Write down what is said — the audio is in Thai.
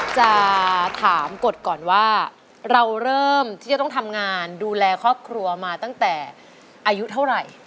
จะถามกฎก่อนว่าเราเริ่มที่จะต้องทำงานดูแลครอบครัวมาตั้งแต่อายุเท่าไหร่